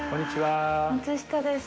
松下です。